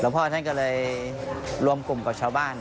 พ่อท่านก็เลยรวมกลุ่มกับชาวบ้าน